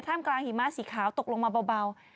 มกลางหิมะสีขาวตกลงมาเบา